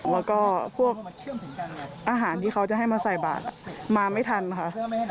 แล้วก็พวกอาหารที่เขาจะให้มาใส่บาทมาไม่ทันค่ะ